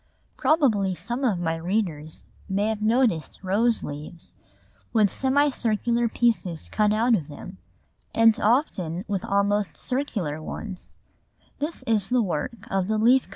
Probably some of my readers may have noticed rose leaves with semicircular pieces cut out of them, and often with almost circular ones; this is the work of the leaf cutter (fig.